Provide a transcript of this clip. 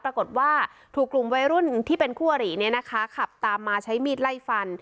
ปรากฏว่าถูกกลุ่มวัยรุ่นที่เป็นควริขับตามมาใช้มีดไล่ฝัน